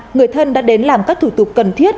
người thân đã đến làm các thủ tục cần thiết